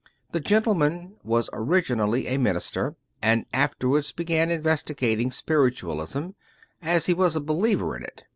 The gentleman was originally a minister, and afterwards began investigating spiritualism, as he was a believer in it.